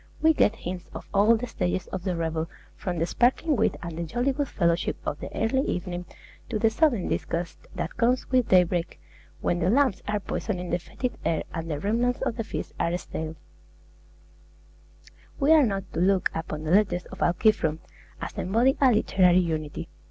We get hints of all the stages of the revel, from the sparkling wit and the jolly good fellowship of the early evening, to the sodden disgust that comes with daybreak when the lamps are poisoning the fetid air and the remnants of the feast are stale. We are not to look upon the letters of Alciphron as embodying a literary unity.